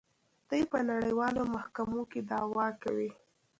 دوی په نړیوالو محکمو کې دعوا کوي.